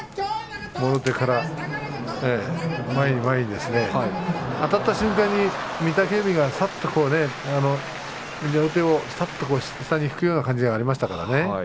もろ手から、前に前に、あたった瞬間に御嶽海が、さっと両手を下に引くような感じがありましたからね。